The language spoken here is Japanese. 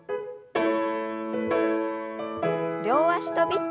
両脚跳び。